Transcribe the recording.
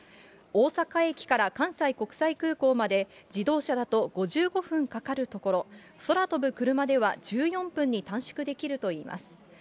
大阪駅から関西国際空港まで、自動車だと５５分かかるところ、空飛ぶクルマでは１４分に短縮できるといいます。